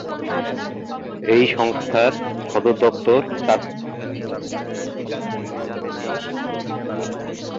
এই সংস্থার সদর দপ্তর চাদের রাজধানী এনজামেনায় অবস্থিত।